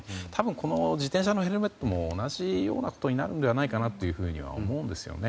この自転車のヘルメットも同じようなことになるんじゃないかなと思うんですよね。